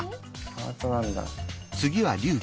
ハートなんだ！